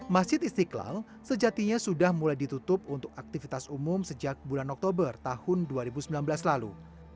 masjid istiqlal sejatinya sudah mulai ditutup untuk aktivitas umum sejak bulan oktober tahun dua ribu sembilan belas lalu